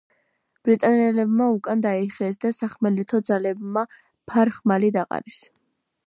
ბრიტანელებმა უკან დაიხიეს და სახმელეთო ძალებმა ფარ-ხმალი დაყარეს.